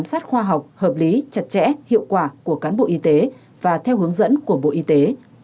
sát khoa học hợp lý chặt chẽ hiệu quả của cán bộ y tế và theo hướng dẫn của bộ y tế